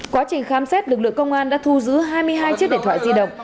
quá trình khám xét lực lượng công an đã thu giữ hai mươi hai chiếc điện thoại di động